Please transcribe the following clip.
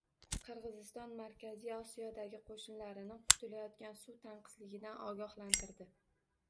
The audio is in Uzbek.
Qirg‘iziston Markaziy Osiyodagi qo‘shnilarini kutilayotgan suv tanqisligidan ogohlantirdi